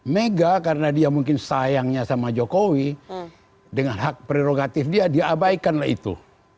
mega karena dia mungkin sayangnya sama jokowi dengan hak prerogatif dia diabaikanlah itu